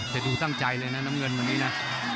แต่ดูตั้งใจเลยนะน้ำเงินวันนี้นะ